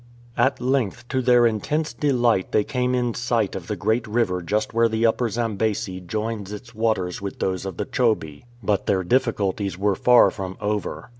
At length to their intense delight they came in sight of the great river just where the Upper Zambesi joins its 15a KING LEWANIKA OF BAROTSELAND waters with those of the Chobe. But their difficulties were far from over.